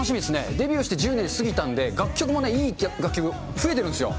デビューして１０年過ぎたんで、楽曲もね、いい楽曲が増えてるんですよ。